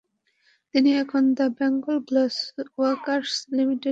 তিনি এখন the Bengal glass workers লিমিটেডে ফার্নেস প্রকৌশলী হিসেবে কর্মরত আছেন।